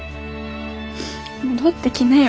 戻ってきなよ。